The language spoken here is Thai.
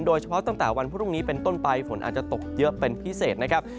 ตั้งแต่วันพรุ่งนี้เป็นต้นไปฝนอาจจะตกเยอะเป็นพิเศษนะครับ